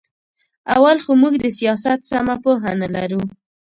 اول خو موږ د سیاست سمه پوهه نه لرو.